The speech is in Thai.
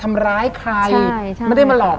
ทำไมเขาถึงจะมาอยู่ที่นั่น